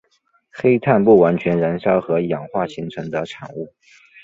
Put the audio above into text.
黑碳不完全燃烧和氧化形成的产物。